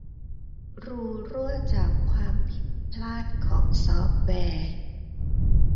รูรั่วจากความผิดพลาดของซอฟต์แวร์